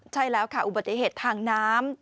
ใช่แล้วค่ะอุบัติเหตุทางน้ำ